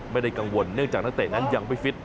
ไม่ได้กังวลเนื่องจากนักเตะนั้นยังไม่ฟิต